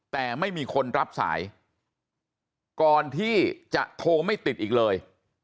แต่ไม่มีคนรับสายก่อนที่จะโทรไม่ติดอีกเลย